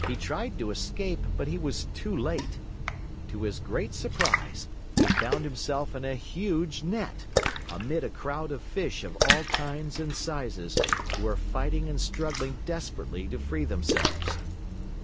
He tried to escape, but he was too late. To his great surprise, he found himself in a huge net, amid a crowd of fish of all kinds and sizes, who were fighting and struggling desperately to free themselves.